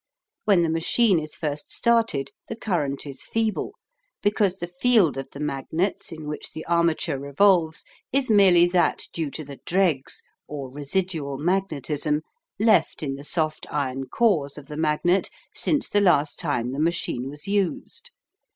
When the machine is first started the current is feeble, because the field of the magnets in which the armature revolves is merely that due to the dregs or "residual magnetism" left in the soft iron cores of the magnet since the last time the machine was used.